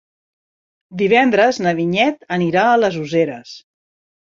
Divendres na Vinyet anirà a les Useres.